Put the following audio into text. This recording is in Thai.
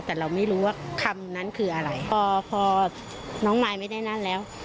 แต่เราไม่รู้ว่าคำนั้นคืออะไรพอพอน้องมายไม่ได้นั่นแล้ว